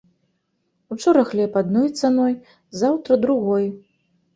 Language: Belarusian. Учора хлеб адной цаной, заўтра другой.